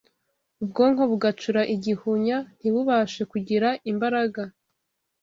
ubwonko bugacura igihunya ntibubashe kugira imbaraga